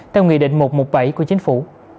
theo nghị định một trăm một mươi bảy của chính phủ